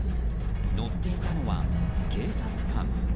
乗っていたのは警察官。